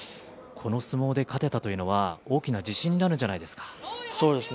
この相撲で勝てたというのは大きな自信になるんじゃないですか。